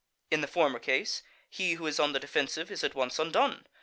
In the former case, he who is on the defensive is at once undone.